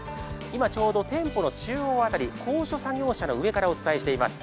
今、ちょうど店舗の中央あたり高所作業車の上からお伝えします。